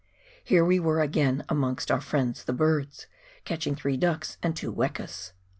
Here we were again amongst our friends the birds, catching three ducks and two wekas.